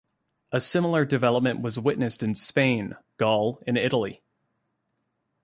A similar development was witnessed in Spain, Gaul, and Italy.